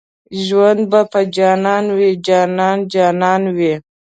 ژوند په جانان وي جانان جانان وي